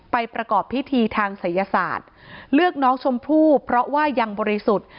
ประกอบพิธีทางศัยศาสตร์เลือกน้องชมพู่เพราะว่ายังบริสุทธิ์